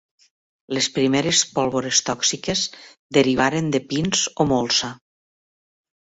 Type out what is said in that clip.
Les primeres pólvores tòxiques derivaren de pins o molsa.